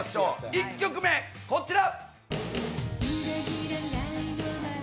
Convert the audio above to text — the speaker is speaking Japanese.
１曲目、こちら。